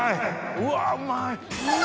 うわうまい！